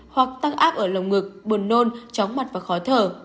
hoặc tăng áp ở lồng ngực buồn nôn chóng mặt và khó thở